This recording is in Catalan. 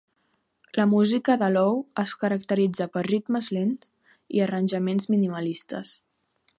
La música de Low es caracteritza per ritmes lents i arranjaments minimalistes.